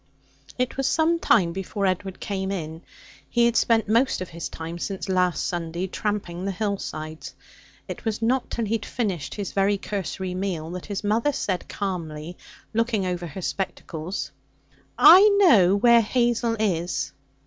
It was some time before Edward came in. He had spent most of his time since last Sunday tramping the hillsides. It was not till he had finished his very cursory meal that his mother said calmly, looking over her spectacles: 'I know where Hazel is.'